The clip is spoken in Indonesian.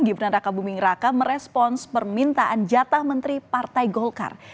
gibran raka buming raka merespons permintaan jatah menteri partai golkar